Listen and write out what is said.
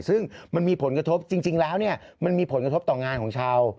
ซึ่งมันมีผลกระทบจริงแล้วเนี่ยมันมีผลกระทบต่องานของชาว